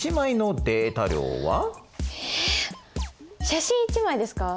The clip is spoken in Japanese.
写真１枚ですか？